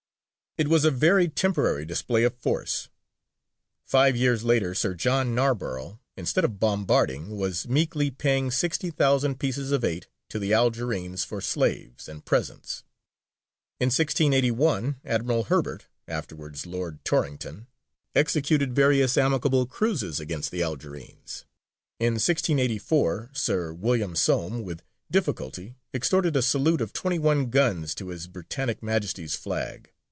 It was a very temporary display of force. Five years later Sir John Narborough, instead of bombarding, was meekly paying sixty thousand "pieces of eight" to the Algerines for slaves and presents. In 1681 Admiral Herbert, afterwards Lord Torrington, executed various amicable cruises against the Algerines. In 1684 Sir W. Soame with difficulty extorted a salute of twenty one guns to His Britannic Majesty's flag.